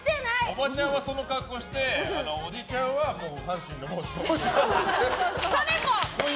おばちゃんはその格好しておじちゃんは阪神の帽子かぶって。